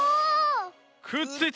くっついた。